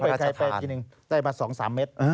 ไปใกล้ไปกี่นึงได้มา๒๓เมตร